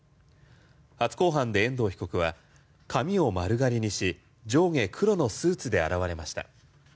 初公判で遠藤被告は髪を丸刈りにし上下黒のスーツで現れました。